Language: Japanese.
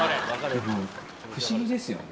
不思議ですよね。